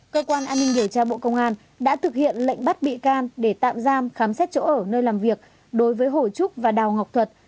cơ quan an ninh điều tra bộ công an đã thực hiện lệnh bắt bị can để tạm giam khám xét chỗ ở nơi làm việc đối với hồ trúc và đào ngọc thuật